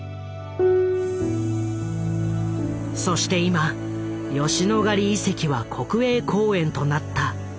そして今吉野ヶ里遺跡は国営公園となった。